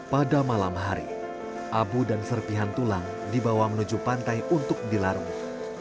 pada malam hari abu dan serpihan tulang dibawa menuju pantai untuk dilarung